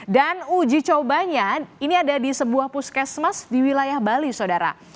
dan uji cobanya ini ada di sebuah puskesmas di wilayah bali saudara